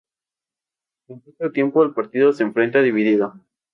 En poco tiempo el partido se enfrenta dividido.